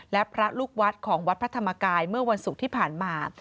และพระลูกวัดของวัดพระธรรมกายเมื่อวันศุกร์ที่ผ่านมา